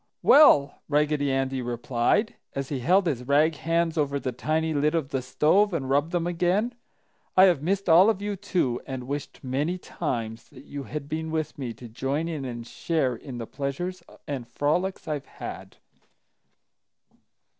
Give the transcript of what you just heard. "Well," Raggedy Andy replied, as he held his rag hands over the tiny lid of the stove and rubbed them again, "I have missed all of you, too, and wished many times that you had been with me to join in and share in the pleasures and frolics I've had."